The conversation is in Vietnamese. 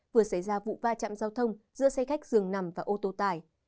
vừa xảy ra vụ va chạm giao thông giữa xe khách dường nằm và ô tô tải